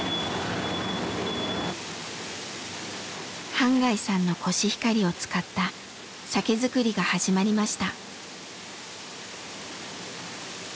半谷さんのコシヒカリを使った酒造りが始まりました。